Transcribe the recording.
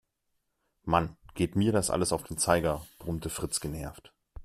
Mann, geht mir das alles auf den Zeiger, brummte Fritz genervt.